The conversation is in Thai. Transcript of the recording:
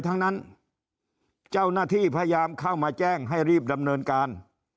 ทั้งนั้นเจ้าหน้าที่พยายามเข้ามาแจ้งให้รีบดำเนินการ